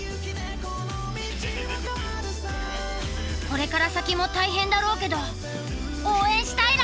これから先も大変だろうけど応援したいラッカ。